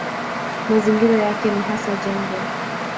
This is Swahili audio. Mazingira yake ni hasa jangwa.